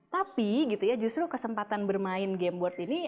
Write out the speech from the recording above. tapi justru kesempatan bermain game board ini